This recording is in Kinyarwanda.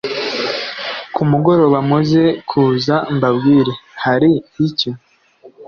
kumugoroba muze kuza mbabwire hari icyo